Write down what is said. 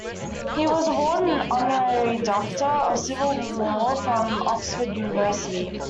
He was awarded an honorary Doctor of Civil Law from Oxford University.